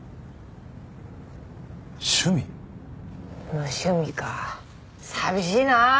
無趣味か寂しいなあ！